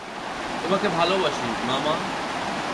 তোমাকে ভালোবাসি, মামা!